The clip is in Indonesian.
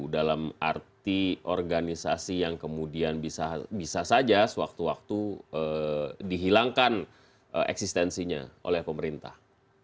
dalam arti organisasi yang kemudian bisa saja sewaktu waktu dihilangkan eksistensinya oleh pemerintah